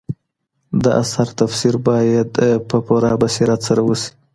د اثر تفسیر باید په پوره بصیرت سره وسي.